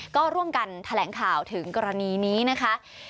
ก็ร่วมกันแถลงข่าวถึงกรณีนี้นะคะ